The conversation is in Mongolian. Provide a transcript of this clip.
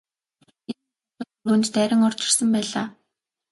Энэ үед залуус өрөөнд дайран орж ирсэн байлаа.